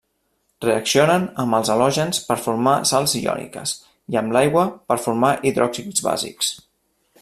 Reaccionen amb els halògens per formar sals iòniques, i amb l'aigua per formar hidròxids bàsics.